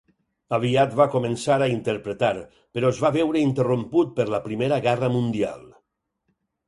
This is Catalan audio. Aviat va començar a interpretar, però es va veure interromput per la Primera Guerra Mundial.